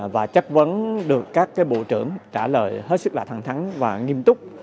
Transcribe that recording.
và chất vấn được các bộ trưởng trả lời hết sức là thẳng thắng và nghiêm túc